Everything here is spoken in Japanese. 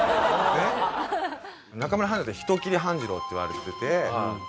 中村半次郎って人斬り半次郎っていわれてて。